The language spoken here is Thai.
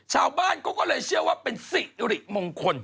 ชาวบ้านเขาก็เลยเชื่อว่าเป็นสิริมงคล